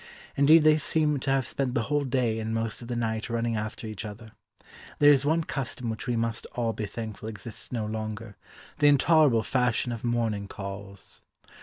Indeed they seem to have spent the whole day and most of the night running after each other. There is one custom which we must all be thankful exists no longer, the intolerable fashion of morning calls.